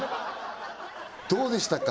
どうでしたか？